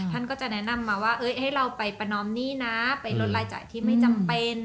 ท่านก็จะแนะนำมาว่าให้เราไปประนอมหนี้นะไปลดรายจ่ายที่ไม่จำเป็น